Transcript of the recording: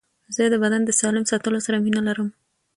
زه د بدن د سالم ساتلو سره مینه لرم.